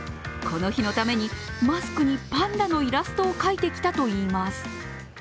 この日のために、マスクにパンダのイラストを描いてきたといいます。